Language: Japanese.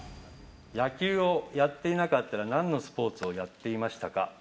野球をやっていなかったら、なんのスポーツをやっていましたか？